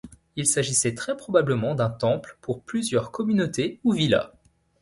Il s’agissait très probablement d'un temple pour plusieurs communautés ou villas.